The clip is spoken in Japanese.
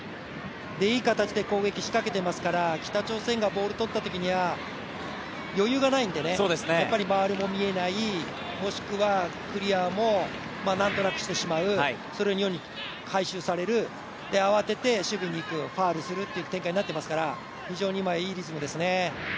いい形で攻撃仕掛けてますから北朝鮮がボール取ったときには余裕がないんで、周りも見えない、もしくはクリアも何となくしてしまう、それを日本に回収される、慌てて守備に行く、ファウルするという展開になっていますから非常に今、いいリズムですね。